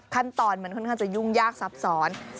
ขั้นตอนมันค่อนข้างจะยุ่งยากซับซ้อน